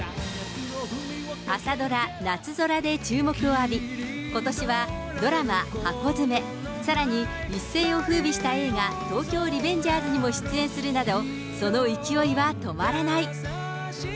朝ドラ、なつぞらで注目を浴び、ことしはドラマ、ハコヅメ、さらに一世をふうびした映画、東京リベンジャーズにも出演するなど、その勢いは止まらない。